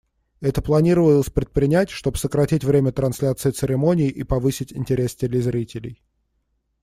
Это планировалось предпринять, чтобы сократить время трансляции церемонии и повысить интерес телезрителей.